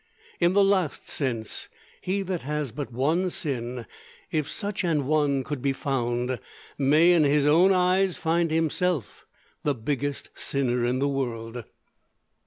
In the last sense, he that has but one sin, if such an one could be found, may in his own eyes find himself the biggest sinner in the world."